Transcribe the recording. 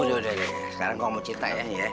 udah udah udah sekarang kong mau cerita ya